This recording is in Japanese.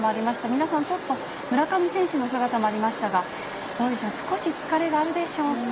皆さん、ちょっと村上選手の姿もありましたが、どうでしょう、少し疲れがあるでしょうか。